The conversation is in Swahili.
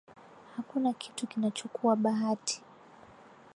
Hakuna kitu kinachokuwa bahati